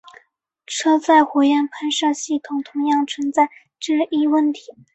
车载火焰喷射系统同样存在这一问题。